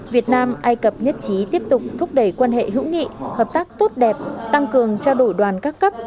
việt nam ai cập nhất trí tiếp tục thúc đẩy quan hệ hữu nghị hợp tác tốt đẹp tăng cường trao đổi đoàn các cấp